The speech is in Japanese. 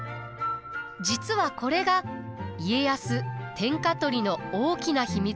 実はこれが家康天下取りの大きな秘密です。